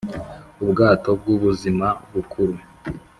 ubwato bw'ubuzima bukuru,